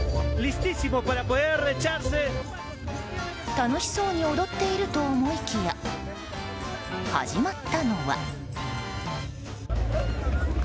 楽しそうに踊っていると思いきや始まったのは。